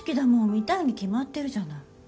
見たいに決まってるじゃない。